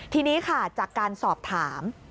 ทีนี้ค่ะจากการสอบถาม